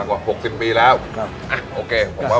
งลอกใฟหมดนะท่า